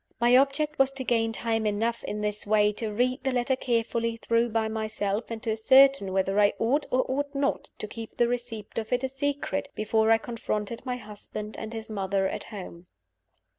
My object was to gain time enough, in this way, to read the letter carefully through by myself, and to ascertain whether I ought or ought not to keep the receipt of it a secret before I confronted my husband and his mother at home.